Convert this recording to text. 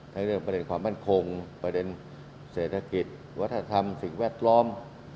เรื่องประเด็นความมั่นคงประเด็นเศรษฐกิจวัฒนธรรมสิ่งแวดล้อม